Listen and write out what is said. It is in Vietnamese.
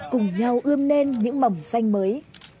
cùng nhau ươm lên những mầm xanh mới